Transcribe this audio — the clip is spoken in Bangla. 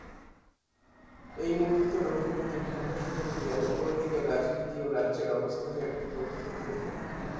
এই নিমিত্ত রঘুপতির ঢাকা শহরে গিয়া মোগলদিগের রাজনীতি ও রাজ্যের অবস্থা জানিতে কৌতূহলী হইলেন।